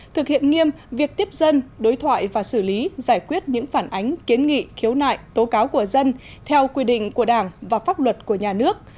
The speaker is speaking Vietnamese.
thực hiện nghiêm việc tiếp dân đối thoại và xử lý giải quyết những phản ánh kiến nghị khiếu nại tố cáo của dân theo quy định của đảng và pháp luật của nhà nước